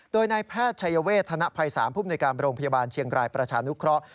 โดยในแพทยเวทธนภัย๓ผู้บริการโรงพยาบาลเชียงรายประชานุเคราะห์